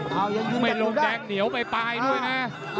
ไม่ลงแดงเหนียวไปปลายด้วยนะ